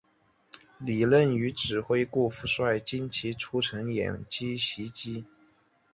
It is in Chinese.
李任与指挥顾福帅精骑出城掩击袭击。